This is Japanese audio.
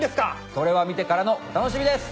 それは見てからのお楽しみです。